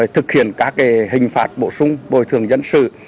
thực hiện các hình phạt bổ sung bồi thường dân sự